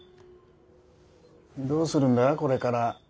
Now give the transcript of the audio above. どうするんだこれから。